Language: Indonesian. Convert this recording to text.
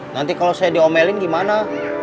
nanti kalau saya diomelin gimana